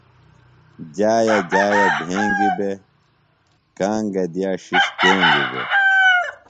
جایہ جایہ بھنگیۡ بےۡ، گانگہ دِیا ݜِݜ کینگیۡ دےۡ